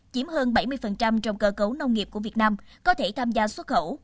chiếm hơn bảy mươi trong cơ cấu nông nghiệp của việt nam có thể tham gia xuất khẩu